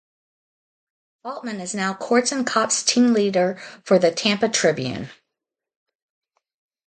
Altman is now Courts and Cops Team Leader for "The Tampa Tribune".